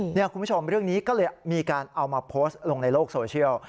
คุณผู้ชมเรื่องนี้ก็เลยมีการเอามาโพสต์ลงในโลกโซเชียล